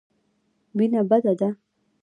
وېنه بده ده.